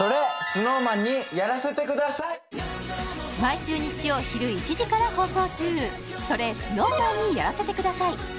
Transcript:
どうぞ毎週日曜昼１時から放送中「それＳｎｏｗＭａｎにやらせて下さい」